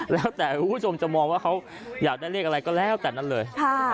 แล้วแต่คุณผู้ชมจะมองว่าเขาอยากได้เลขอะไรก็แล้วแต่นั้นเลย